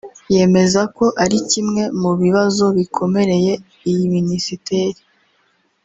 yemeza ko ari kimwe mu bibazo bikomereye iyi minisiteri